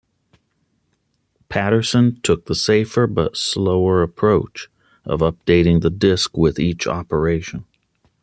Paterson took the safer but slower approach of updating the disk with each operation.